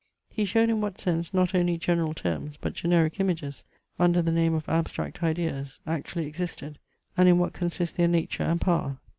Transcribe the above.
He showed in what sense not only general terms, but generic images, under the name of abstract ideas, actually existed, and in what consist their nature and power.